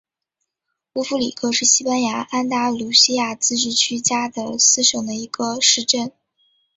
乌夫里克是西班牙安达卢西亚自治区加的斯省的一个市镇。